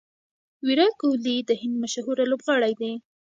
ویرات کهولي د هند مشهوره لوبغاړی دئ.